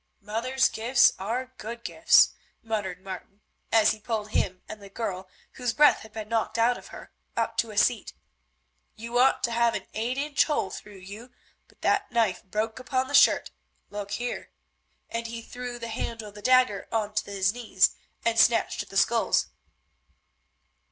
"Mother's gifts are good gifts!" muttered Martin as he pulled him and the girl, whose breath had been knocked out of her, up to a seat. "You ought to have an eight inch hole through you, but that knife broke upon the shirt. Look here," and he threw the handle of the dagger on to his knees and snatched at the sculls.